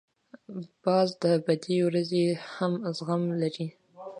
باز د بدې ورځې هم زغم لري